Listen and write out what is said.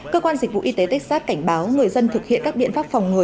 cơ quan dịch vụ y tế texas cảnh báo người dân thực hiện các biện pháp phòng ngừa